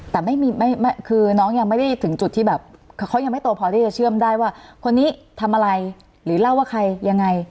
แต่คือน้องยังไม่ได้ถึงจุดที่แบบเขายังไม่โตพอที่จะเชื่อมได้ว่าคนนี้ทำอะไรหรือเล่าว่าใครยังไง